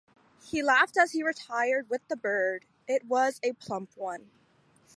He laughed as he retired with the bird — it was a plump one.